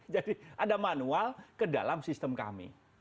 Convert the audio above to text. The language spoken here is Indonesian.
jadi ada manual ke dalam sistem kami